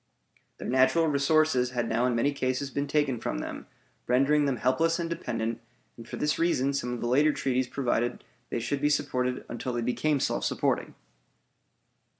Their natural resources had now in many cases been taken from them, rendering them helpless and dependent, and for this reason some of the later treaties provided that they should be supported until they became self supporting.